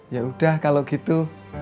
ya udah kalau gitu